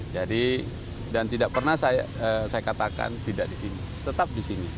jadi dan tidak pernah saya katakan tidak di sini tetap di sini